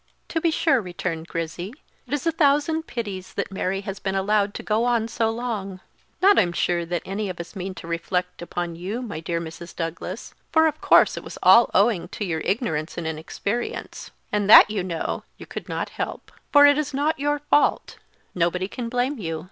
"To be sure," returned Grizzy, "it is a thousand pities that Mary has been allowed to go on so long; not, I'm sure, that any of us mean to reflect upon you, my dear Mrs. Douglas; for of course it was all owing to your ignorance and inexperience; and that, you know, you could not help; for it as not your fault; nobody can blame you.